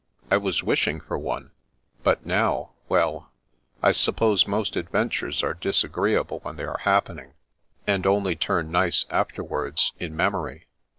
I was wishing for one, but now — ^well, I suppose most adventures are disagreeable when they are happening, and only turn nice afterwards, in memory."